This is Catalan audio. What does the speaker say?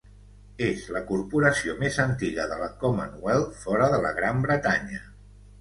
És la corporació més antiga de la Commonwealth fora de la Gran Bretanya.